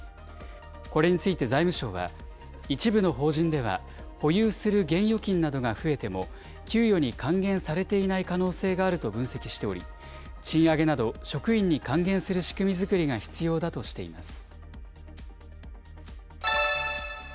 これについて財務省は、一部の法人では、保有する現預金などが増えても、給与に還元されていない可能性があると分析しており、賃上げなど職員に還元する仕組み作りが必要だとしています。